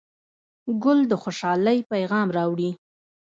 ګل د خوشحالۍ پیغام راوړي.